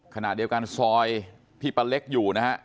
ขณะเดียวกันซอยที่ป้าเล็กอยู่นะฮะ